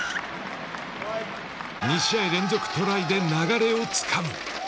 ２試合連続トライで流れをつかむ。